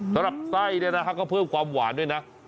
สำหรับไส้เนี่ยนะฮะก็เพิ่มความหวานด้วยนะ